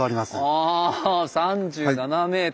あ３７ｍ。